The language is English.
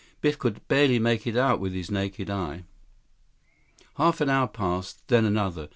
Biff could barely make it out with his naked eye. Half an hour passed; then another.